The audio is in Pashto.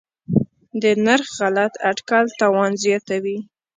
د نرخ غلط اټکل تاوان زیاتوي.